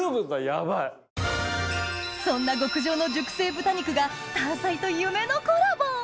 そんな極上の熟成豚肉がタアサイと夢のコラボ！